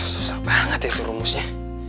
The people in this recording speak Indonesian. susah banget itu rumusnya